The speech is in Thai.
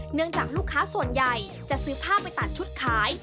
เนื่องจากลูกค้าส่วนใหญ่จะซื้อผ้าไปตัดชุดขาย